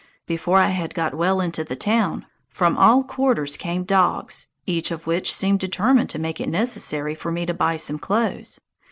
Before I had got well into the town, from all quarters came dogs, each of which seemed determined to make it necessary for me to buy some clothes.